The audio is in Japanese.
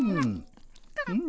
うん！